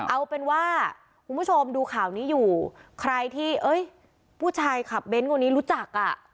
เอาเป็นว่าคุณผู้ชมดูข่าวนี้อยู่ใครที่เอ้ยผู้ชายขับเบ้นคนนี้รู้จักอ่ะ